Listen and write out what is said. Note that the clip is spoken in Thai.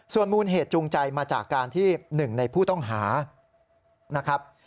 ส่วนมูลเหตุจูงใจมาจากการที่หนึ่งในผู้ต้องหานะครับ